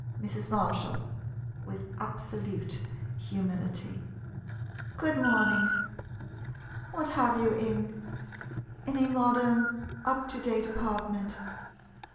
Mrs. Marshall [With absolute humility.'] Good morning. What have you in — in a modern up to date apartment